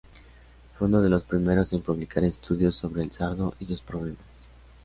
Fue uno de los primeros en publicar estudios sobre el sardo y sus problemas.